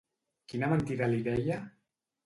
Quina mentida li deia?